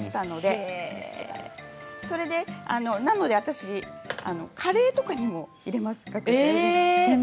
ですのでカレーとかにも入れます。